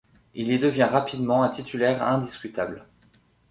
Il y devient rapidement un titulaire indiscutable.